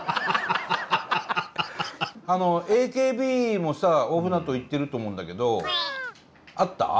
あのＡＫＢもさ大船渡行ってると思うんだけど会った？